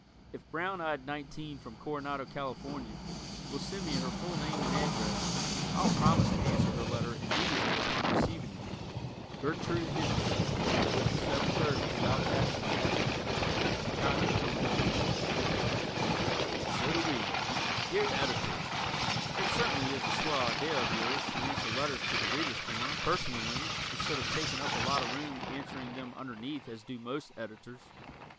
If "Brown Eyed Nineteen from Coronado, Calif.," will send me her full name and address, I'll promise to answer her letter immediately upon receiving it. Gertrude Hemken, 5730 So. Ashland Ave., Chicago, Ill. And So Do We Dear Editor: It certainly is a swell idea of yours to answer letters to "The Readers' Corner" personally instead of taking up a lot of room answering them underneath as do most Editors.